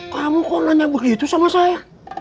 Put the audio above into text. kamu kok nanya begitu sama saya